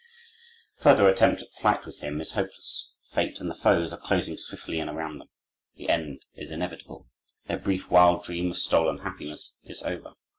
Further attempt at flight with him is hopeless. Fate and their foes are closing swiftly in around them. The end is inevitable. Their brief, wild dream of stolen happiness is over.